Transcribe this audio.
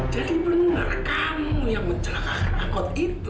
jadi benar kamu yang menjelang akut itu